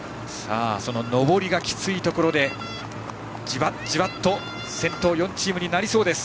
上りがきついところでじわじわと先頭４チームになりそうです。